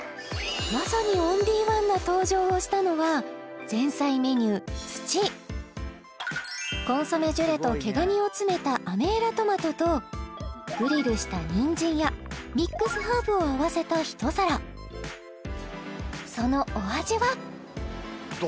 まさにオンリーワンな登場をしたのは前菜メニュー土コンソメジュレと毛蟹を詰めたアメーラトマトとグリルした人参やミックスハーブを合わせた一皿そのお味は？